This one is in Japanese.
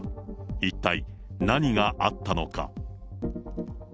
一体、何があったのか。